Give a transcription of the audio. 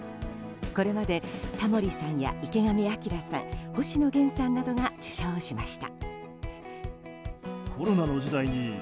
これまでタモリさんや池上彰さん、星野源さんなどが受賞しました。